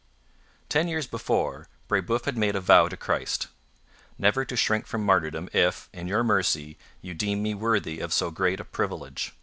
Ten years before Brebeuf had made a vow to Christ: 'Never to shrink from martyrdom if, in Your mercy, You deem me worthy of so great a privilege.